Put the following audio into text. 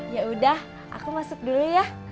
ya udah aku masuk dulu ya